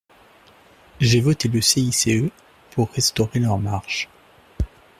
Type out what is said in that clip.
J’ai voté le CICE pour restaurer leurs marges.